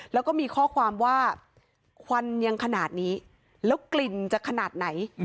แล้วก็มีข้อความว่าควันยังขนาดนี้แล้วกลิ่นจะขนาดไหน